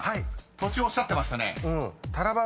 途中おっしゃってましたね］